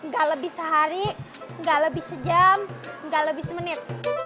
gak lebih sehari gak lebih sejam gak lebih semenit